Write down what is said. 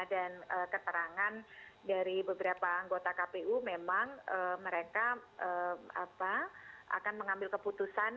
dan keterangan dari beberapa anggota kpu memang mereka akan mengambil keputusan